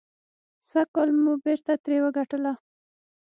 سږکال مو بېرته ترې وګټله.